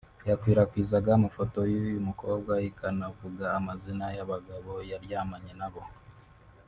yakwirakwizaga amafoto y’uyu mukobwa ikanavuga amazina y’abagabo yaryamanye na bo